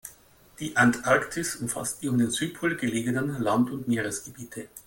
Die Antarktis umfasst die um den Südpol gelegenen Land- und Meeresgebiete.